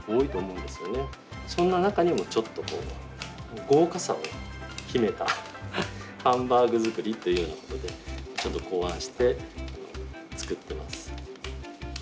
そんな中にもちょっとこう豪華さを秘めたハンバーグ作りというようなことでちょっと考案して作ってます。